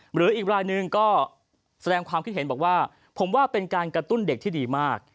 หรืออีกรายหนึ่งก็แสดงความคิดเห็นบอกว่าผมว่าเป็นการกระตุ้นเด็กที่ดีมาก